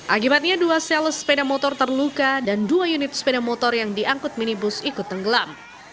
akibatnya dua sel sepeda motor terluka dan dua unit sepeda motor yang diangkut minibus ikut tenggelam